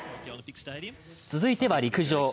続いては陸上。